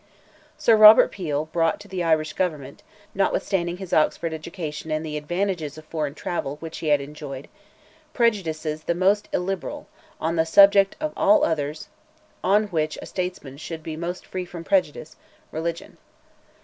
Sir Robert Peel brought to the Irish government, notwithstanding his Oxford education and the advantages of foreign travel which he had enjoyed, prejudices the most illiberal, on the subject of all others on which a statesman should be most free from prejudice—religion.